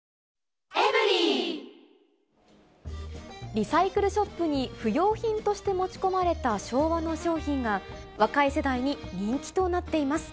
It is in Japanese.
リサイクルショップに不用品として持ち込まれた昭和の商品が、若い世代に人気となっています。